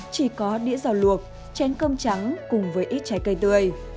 chỉ có đĩa rào luộc chén cơm trắng cùng với ít trái cây tươi